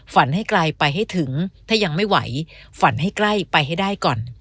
ให้ไกลไปให้ถึงถ้ายังไม่ไหวฝันให้ใกล้ไปให้ได้ก่อน